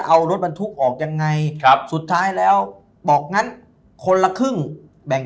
เอารถบรรทุกออกยังไงครับสุดท้ายแล้วบอกงั้นคนละครึ่งแบ่ง